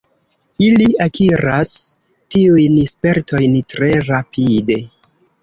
Ili akiras tiujn spertojn tre rapide.